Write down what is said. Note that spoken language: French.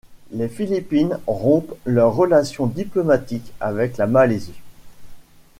Les Philippines rompent leurs relations diplomatiques avec la Malaisie.